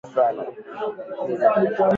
Njia ya lubumbashi kalemie ni mbaya sana